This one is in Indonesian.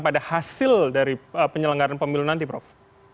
pada hasil dari penyelenggaran pemilu nanti prof